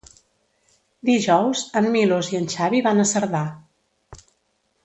Dijous en Milos i en Xavi van a Cerdà.